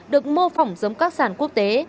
được mô phỏng giống các sản quốc tế